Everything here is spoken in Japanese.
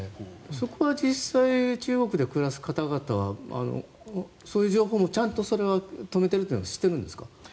そこは実際中国で暮らす方々はそういう情報も止めているというのはちゃんと知っているんですか。